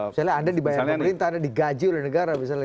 misalnya anda dibayar pemerintah anda digaji oleh negara misalnya